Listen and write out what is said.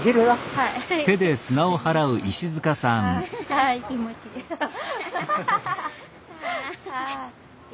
はい気持ちいい。